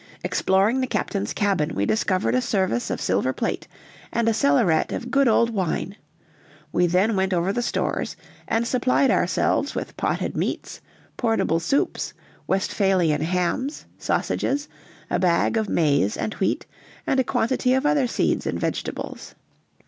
Exploring the captain's cabin, we discovered a service of silver plate and a cellaret of good old wine; we then went over the stores, and supplied ourselves with potted meats, portable soups, Westphalian hams, sausages, a bag of maize and wheat, and a quantity of other seeds and vegetables.